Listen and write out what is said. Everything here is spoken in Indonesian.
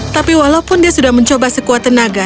tapi walaupun dia sudah mencoba sekuat tenaga